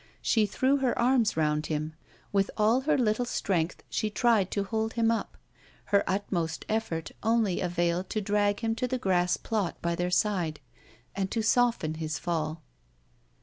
She threw her arms round him. With all her little strength she tried to hold him up. Her utmost effort only availed to drag him to the grass plot by their side, and to soften his fall.